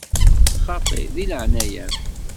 Xaṭi, deg leɛnaya-m!